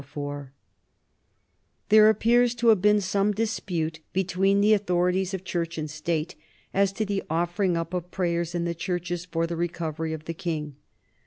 [Sidenote: 1837 Death of William the Fourth] There appears to have been some dispute between the authorities of Church and State as to the offering up of prayers in the churches for the recovery of the King.